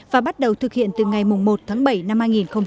và bắt đầu thực hiện từ ngày một tháng bảy năm hai nghìn hai mươi